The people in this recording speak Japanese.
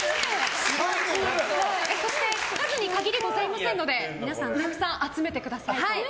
そして数に限りはございませんので皆さんたくさん集めてください。